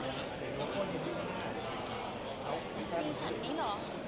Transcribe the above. มีสันนี้เหรอ